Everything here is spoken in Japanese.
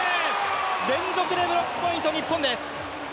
連続でブロックポイント、日本です